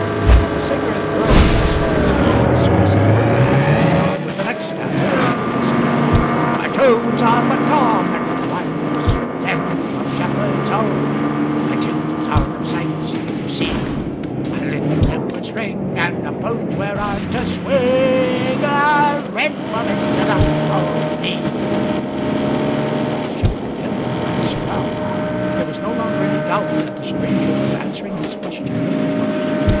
The singer thoroughly moistened himself from his lips inward, and went on with the next stanza, as requested: "My tools are but common ones, Simple shepherds all, My tools are no sight to see: A little hempen string, and a post whereon to swing, Are implements enough for me." Shepherd Fennel glanced round. There was no longer any doubt that the stranger was answering his question rhythmically.